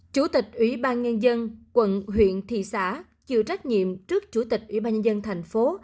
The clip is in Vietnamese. chủ tịch ủy ban nhân dân quận huyện thị xã chịu trách nhiệm trước chủ tịch ủy ban nhân dân thành phố